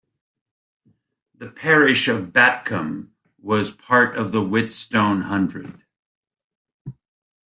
The parish of Batcombe was part of the Whitstone Hundred.